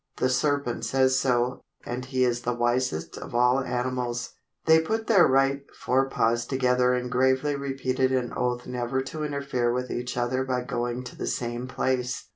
The serpent says so, and he is the wisest of all animals." They put their right fore paws together and gravely repeated an oath never to interfere with each other by going to the same place.